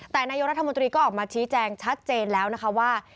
แต่นายกรัฐมนตรีก็ออกมาชี้แจงชัดเจนแล้วนะคะว่า